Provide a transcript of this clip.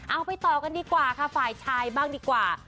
เอาไปต่อกันดีกว่าค่ะฝ่ายชายบ้างดีกว่า